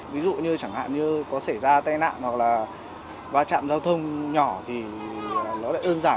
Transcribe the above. ví dụ như chẳng hạn như có xảy ra tai nạn hoặc là va chạm giao thông nhỏ thì nó lại ơn giảm